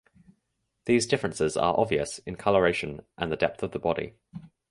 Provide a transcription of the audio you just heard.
These differences are obvious in colouration and in the depth of the body.